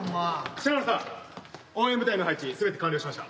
信濃さん応援部隊の配置すべて完了しました。